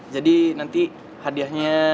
jadi nanti hadiahnya